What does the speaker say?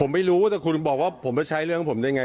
ผมไม่รู้แต่คุณบอกว่าผมไปใช้เรื่องผมได้ไง